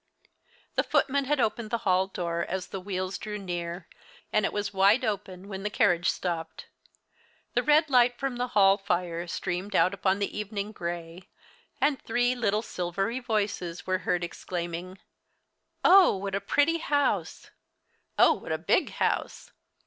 The footman had opened the hall door as the wheels drew near; it was wide open when the carriage stopped. The red light from the hall fire streamed out upon the evening gray, and three little silvery voices were heard exclaiming: "Oh, what a pretty house!" "Oh, what a big house!"